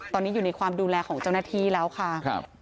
ตอนนี้อยู่ในความดูแลของเจ้าหน้าที่แล้วค่ะ